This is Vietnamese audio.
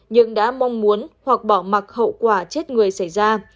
nhưng đã mong muốn hoặc bỏ mặc hậu quả chết người xảy ra